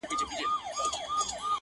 ويل واورئ دې ميدان لره راغلو٫